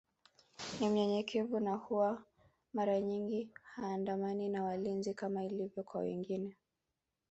Ni mnyenyekevu na huwa mara nyingi haandamani na walinzi kama ilivyo kwa wengine